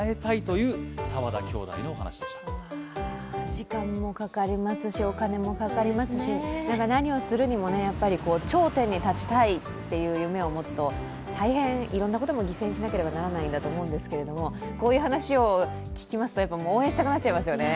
時間もかかりますし、お金もかかりますし何をするにもやっぱり頂点に立ちたいっていう夢を持つと大変、いろんなことを犠牲にしなければならないと思うんですけれどもこういう話を聞きますと、応援したくなっちゃいますよね。